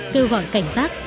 kêu gọi cảnh sát